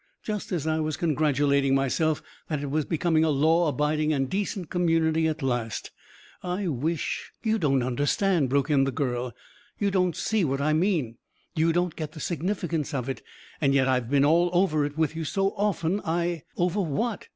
Just as I was congratulating myself that it was becoming a law abiding and decent community at last! I wish " "You don't understand!" broke in the girl. "You don't see what I mean. You don't get the significance of it. And yet I've been all over it with you so often! I " "Over what?"